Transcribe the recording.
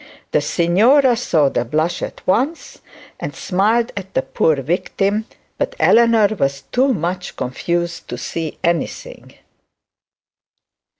The signora saw the blush at once, and smiled at the poor victim, but Eleanor was too much confused to see anything.